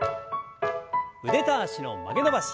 腕と脚の曲げ伸ばし。